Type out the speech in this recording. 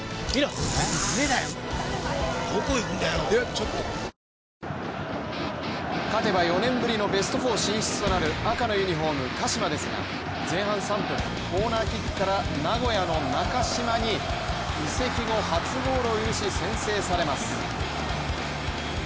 そして試合後勝てば４年ぶりのベスト４進出となる赤のユニフォーム、鹿島ですが前半３分コーナーキックから名古屋の中島に移籍後初ゴールを許し、先制されます。